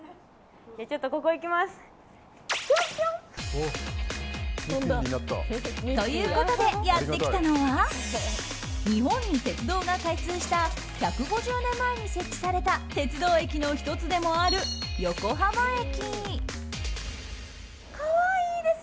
ちょっとここ行きます！ということで、やってきたのは日本に鉄道が開通した１５０年前に設置された鉄道駅の１つでもある横浜駅。